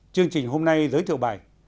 chương trình hôm nay giới thiệu bài